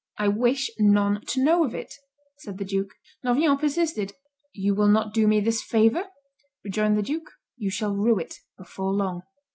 "I wish none to know of it," said the duke. Noviant persisted. "You will not do me this favor?" rejoined the duke; "you shall rue it before long."